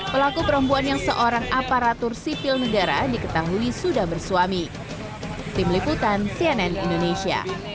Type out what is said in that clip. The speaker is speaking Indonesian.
pelaku perempuan yang seorang aparatur sipil negara diketahui sudah bersuami